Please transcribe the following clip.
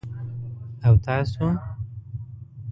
_او تاسو؟